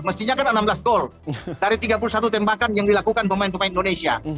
mestinya kan ada enam belas gol dari tiga puluh satu tembakan yang dilakukan pemain pemain indonesia